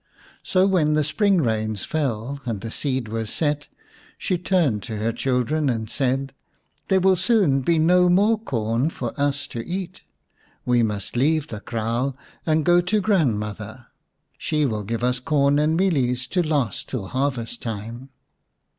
So when the spring rains fell and the seed was set, she turned to her children and said, " There will soon be no more corn for us to eat. We must leave the kraal and go to grandmother. She will give us corn and mealies to last till harvest time."